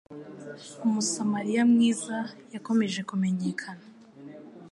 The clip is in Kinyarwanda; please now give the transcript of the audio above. Umusamariya mwiza yakomeje kumenyekana